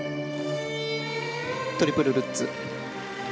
トリプルルッツ。